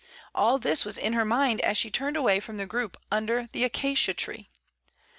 All this was in her mind as she turned away from the group under the acacia tree.